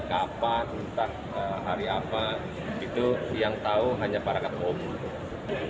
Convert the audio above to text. kapan entah hari apa itu yang tahu hanya para ketua umum